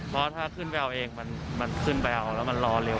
เพราะถ้าขึ้นไปเอาเองมันขึ้นไปเอาแล้วมันรอเร็ว